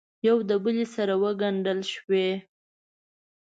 یو دبلې سره وګنډل شوې